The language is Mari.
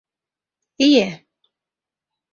— Ие.